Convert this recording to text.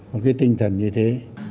một cái tinh thần như thế